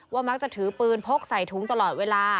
มักจะถือปืนพกใส่ถุงตลอดเวลา